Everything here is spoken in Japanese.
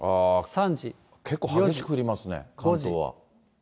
結構激しく降りますね、関東は。